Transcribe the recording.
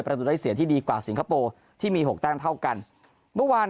ประตูได้เสียที่ดีกว่าสิงคโปร์ที่มีหกแต้มเท่ากันเมื่อวาน